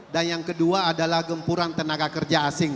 dan yang kedua adalah gempurang tenaga kerja asing